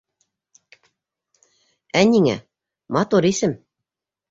-Ә ниңә, матур исем.